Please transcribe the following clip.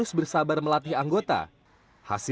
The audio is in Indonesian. intinya menemui k counselors